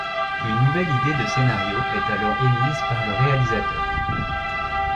Une nouvelle idée de scénario est alors émise par le réalisateur.